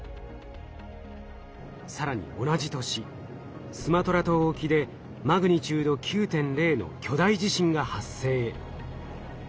更に同じ年スマトラ島沖でマグニチュード９．０の巨大地震が発生。